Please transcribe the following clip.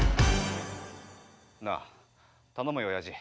なあ頼むよおやじ。